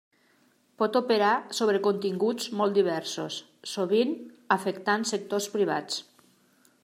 Pot operar sobre continguts molt diversos, sovint afectant sectors privats.